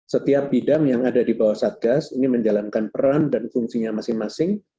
setiap bidang yang ada di bawah satgas ini menjalankan peran dan fungsinya masing masing